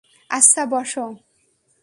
আচ্ছা, বস।